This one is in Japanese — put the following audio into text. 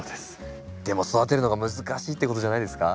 でも育てるのが難しいってことじゃないですか？